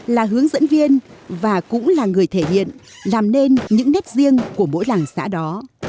là hướng dẫn viên và cũng là người thể hiện làm nên những nét riêng của mỗi làng xã đó